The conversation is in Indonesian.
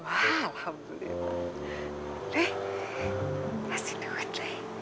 alhamdulillah deh pasti duit